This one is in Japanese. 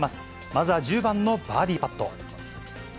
まずは１０番のバーディーパット。